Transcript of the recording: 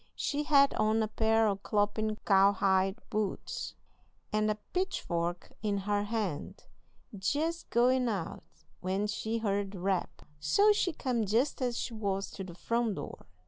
She had on a pair o' clompin' cowhide boots, and a pitchfork in her hand, jest goin' out, when she heard the rap. So she come jest as she was to the front door.